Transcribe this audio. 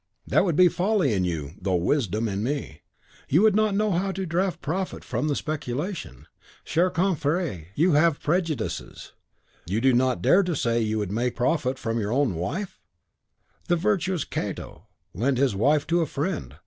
"That would be folly in you, though wisdom in me. You would not know how to draw profit from the speculation! Cher confrere, you have prejudices." "You do not dare to say you would make profit from your own wife?" "The virtuous Cato lent his wife to a friend.